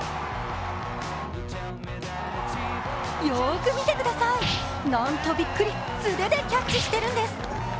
よーく見てください、なんとビックリ素手でキャッチしているんです。